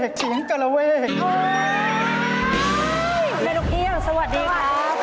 แม่นกเอี่ยงสวัสดีครับสวัสดีครับสวัสดีครับสวัสดีครับ